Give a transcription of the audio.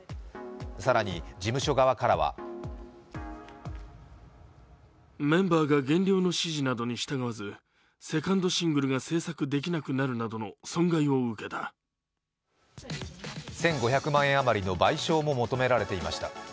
更に事務所側からは１５００万円余りの賠償も求められていました。